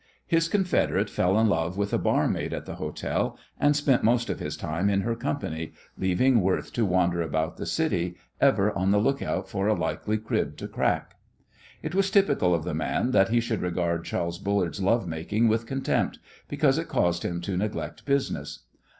His confederate fell in love with a barmaid at the hotel, and spent most of his time in her company, leaving Worth to wander about the city, ever on the look out for a likely crib to crack. It was typical of the man that he should regard Charles Bullard's love making with contempt, because it caused him to neglect business.